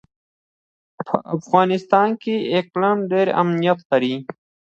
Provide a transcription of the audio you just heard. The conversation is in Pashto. په افغانستان کې اقلیم ډېر اهمیت لري.